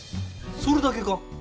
それだけか？